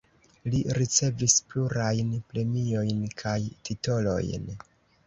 Li ricevis plurajn premiojn kaj titolojn.